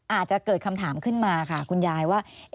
อาจจะเกิดคำถามขึ้นมาค่ะคุณยายว่า